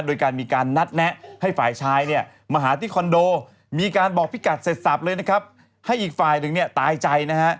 โดยการมีการนัดแนะให้ฝ่ายชายเนี่ยมาหาที่คอนโดมีการบอกพี่กัดเสร็จสับเลยนะครับให้อีกฝ่ายหนึ่งเนี่ยตายใจนะฮะ